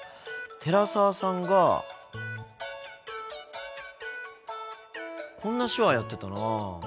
寺澤さんがこんな手話やってたな。